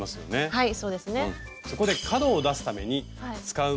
はい。